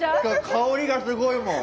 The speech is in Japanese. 香りがすごいもん。